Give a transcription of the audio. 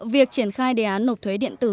việc triển khai đề án nộp thuế điện tử